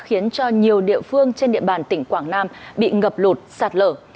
khiến cho nhiều địa phương trên địa bàn tỉnh quảng nam bị ngập lụt sạt lở